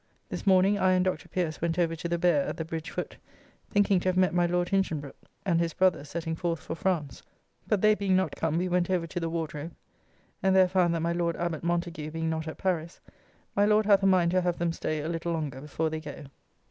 This morning I and Dr. Peirce went over to the Beare at the Bridge foot, thinking to have met my Lord Hinchinbroke and his brother setting forth for France; but they being not come we went over to the Wardrobe, and there found that my Lord Abbot Montagu being not at Paris, my Lord hath a mind to have them stay a little longer before they go.